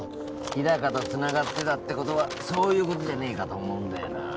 日高とつながってたってことはそういうことじゃねえかと思うんだよな